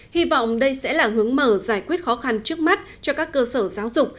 hy vọng đây sẽ là hướng mở giải quyết khó khăn trước mắt cho các cơ sở giáo dục